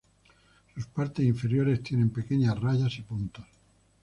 Sus partes inferiores tienen pequeñas rayas y puntos.